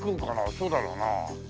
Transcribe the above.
そうだろうな。